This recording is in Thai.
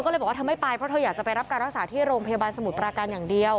ก็เลยบอกว่าเธอไม่ไปเพราะเธออยากจะไปรับการรักษาที่โรงพยาบาลสมุทรปราการอย่างเดียว